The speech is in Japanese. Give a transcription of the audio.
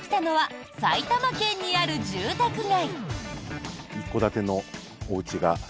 やってきたのは埼玉県にある住宅街。